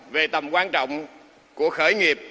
về tầm quan trọng của khởi nghiệp